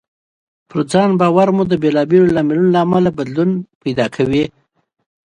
په ځان مو باور د بېلابېلو لاملونو له امله بدلون مومي.